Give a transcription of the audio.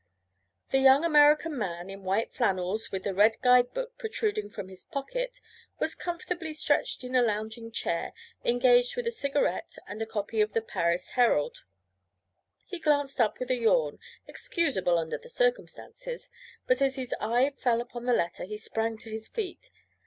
The young American man, in white flannels with a red guide book protruding from his pocket, was comfortably stretched in a lounging chair engaged with a cigarette and a copy of the Paris Herald. He glanced up with a yawn excusable under the circumstances but as his eye fell upon the letter he sprang to his feet.